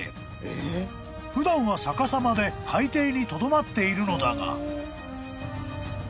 ［普段は逆さまで海底にとどまっているのだが］